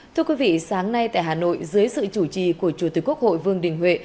thưa quý vị sáng nay tại hà nội dưới sự chủ trì của chủ tịch quốc hội vương đình huệ